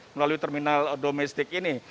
melalui terminal domestik ini